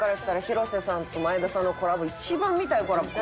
広瀬さんと前田さんのコラボ一番見たいコラボ。